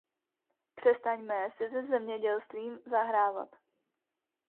Přestaňme si se zemědělstvím zahrávat.